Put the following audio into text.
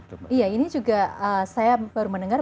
iya ini juga saya baru mendengar